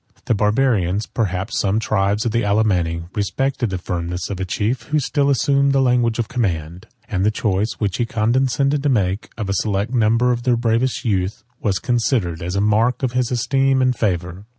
35 The Barbarians, perhaps some tribes of the Alemanni, respected the firmness of a chief, who still assumed the language of command; and the choice which he condescended to make, of a select number of their bravest youth, was considered as a mark of his esteem and favor.